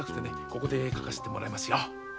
ここで描かせてもらいますよ。